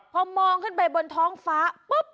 พอมองขึ้นไปบนท้องฟ้าปุ๊บ